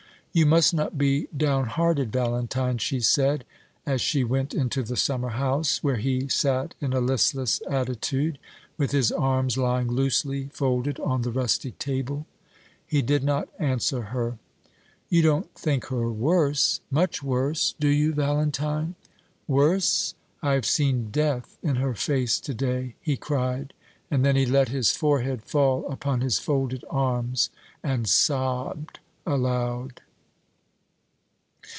"You must not be downhearted, Valentine," she said, as she went into the summer house, where he sat in a listless attitude, with his arms lying loosely folded on the rustic table. He did not answer her. "You don't think her worse much worse do you, Valentine?" "Worse? I have seen death in her face to day!" he cried; and then he let his forehead fall upon his folded arms, and sobbed aloud.